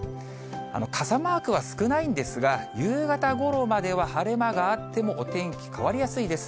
傘マークは少ないんですが、夕方ごろまでは晴れ間があってもお天気変わりやすいです。